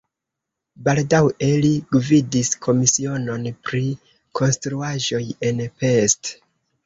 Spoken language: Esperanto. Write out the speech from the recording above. Baldaŭe li gvidis komisionon pri konstruaĵoj en Pest.